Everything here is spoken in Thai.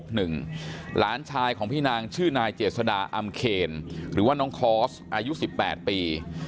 หลานชายของพี่นางชื่อนายเจษดาอำเคนหรือว่าน้องคอร์สอายุ๑๘ปี